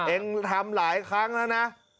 เองทำหลายครั้งแล้วนะ